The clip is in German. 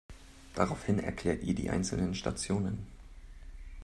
Daraufhin erklärt ihr die einzelnen Stationen.